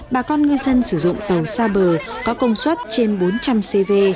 bà con ngư dân sử dụng tàu xa bờ có công suất trên bốn trăm linh cv